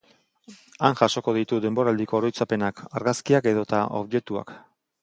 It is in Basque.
Han jasoko ditu denboraldiko oroitzapenak, argazkiak edota objektuak.